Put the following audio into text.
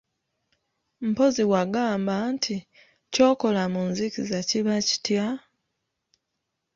Mpozzi wagamba nti, ky'okola mu nzikiza kiba kitya?